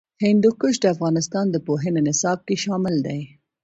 هندوکش د افغانستان د پوهنې نصاب کې شامل دي.